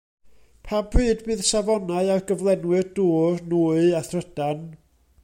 Pa bryd bydd safonau ar gyflenwyr dŵr, nwy a thrydan?